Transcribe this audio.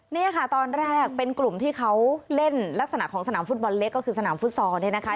นี่ค่ะตอนแรกเป็นกลุ่มที่เขาเล่นลักษณะของสนามฟุตบอลเล็กก็คือสนามฟุตซอลเนี่ยนะคะ